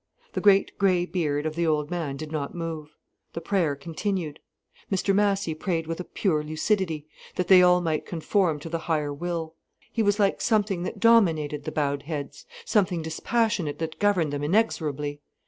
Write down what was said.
The great grey beard of the old man did not move, the prayer continued. Mr Massy prayed with a pure lucidity, that they all might conform to the higher Will. He was like something that dominated the bowed heads, something dispassionate that governed them inexorably.